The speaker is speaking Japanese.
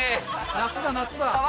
夏だ、夏だ。